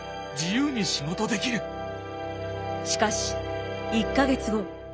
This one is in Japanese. しかし１か月後。